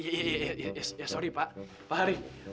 ya ya ya ya sorry pak pak harim